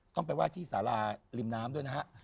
ต้องไปไหว้ที่สาราริมน้ำด้วยนะฮะ